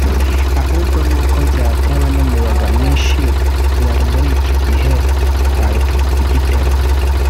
Ahubwo ni uko byatewe n’umuyaga mwishi wari muri iki gihe twari turi kugitema